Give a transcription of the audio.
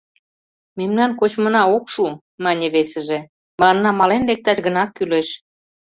— Мемнан кочмына ок шу, — мане весыже, — мыланна мален лекташ гына кӱлеш.